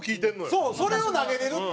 それを投げれるって。